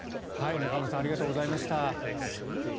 中丸さんありがとうございました。